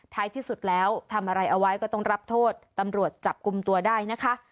ที่สุดแล้วทำอะไรเอาไว้ก็ต้องรับโทษตำรวจจับกลุ่มตัวได้นะคะ